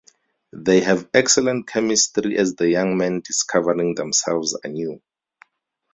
They have excellent chemistry as the young men discovering themselves anew.